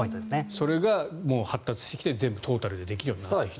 それが発達してきて全部トータルでできるようになってきた。